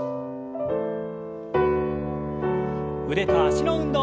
腕と脚の運動。